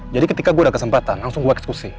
jadi ketika gue ada kesempatan langsung gue ekskusi